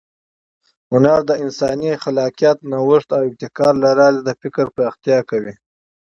هنر د انساني خلاقیت، نوښت او ابتکار له لارې د فکر پراختیا کوي.